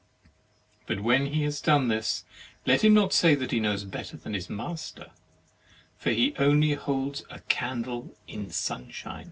"But when he has done this, let him not say that he knows better than his master, for he only holds a candle in sunshine."